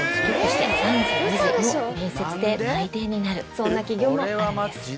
そんな企業もあるんです。